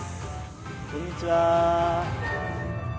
こんにちは。